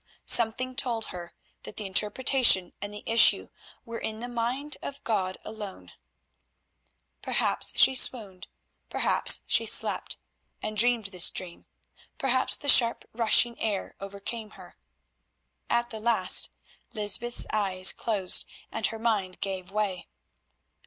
Something told her that the interpretation and the issue were in the mind of God alone. Perhaps she swooned, perhaps she slept and dreamed this dream; perhaps the sharp rushing air overcame her. At the least Lysbeth's eyes closed and her mind gave way.